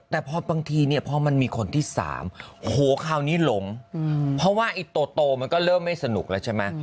แต่พอบางทีเนี่ยพอมันมีคนที่๓โอ้โหคราวนี้หลงเพราะว่าไอ้โตมันก็เริ่มไม่สนุกแล้วใช่ไหม